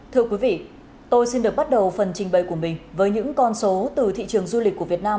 thưa quý vị tôi xin được bắt đầu phần trình bày của mình với những con số từ thị trường du lịch của việt nam